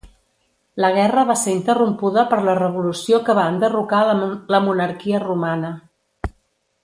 La guerra va ser interrompuda per la revolució que va enderrocar la monarquia romana.